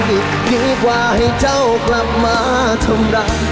ดีกว่าให้เจ้ากลับมาทำร้าย